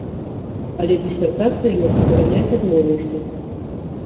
Але дысертацыю ён абараняць адмовіўся.